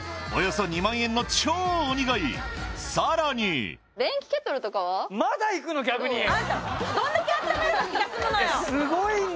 およそ２万円の超鬼買い